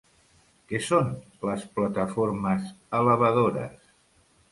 Què són les plataformes elevadores?